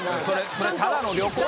それただの旅行だろ。